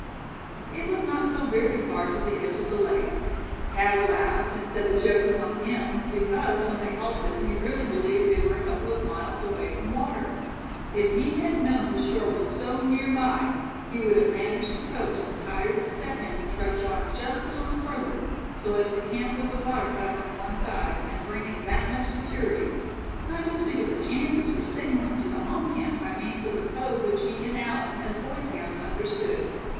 It was not so very far to the edge of the lake. Thad laughed, and said the joke was on him; because, when they halted he really believed they were a couple of miles away from water. If he had known the shore was so near by he would have managed to coax the tired Step Hen to trudge on just a little further, so as to camp with the water covering one side, and bringing that much security; not to speak of the chances for signaling to the home camp by means of the code which he and Allan, as Boy Scouts, understood.